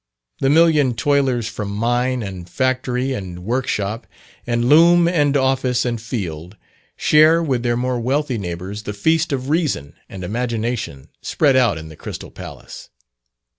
The million toilers from mine, and factory, and workshop, and loom, and office, and field, share with their more wealthy neighbours the feast of reason and imagination spread out in the Crystal Palace.